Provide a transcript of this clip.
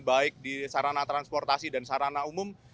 baik di sarana transportasi dan sarana umum